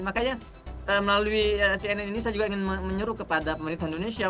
makanya melalui cnn ini saya juga ingin menyuruh kepada pemerintah indonesia